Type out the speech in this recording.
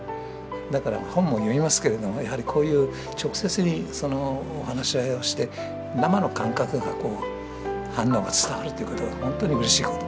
だから本も読みますけれどもやはりこういう直接に話し合いをして生の感覚が反応が伝わるということが本当にうれしいこと。